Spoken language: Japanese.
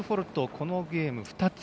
このゲーム２つ。